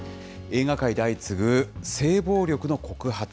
映画界で相次ぐ性暴力の告発。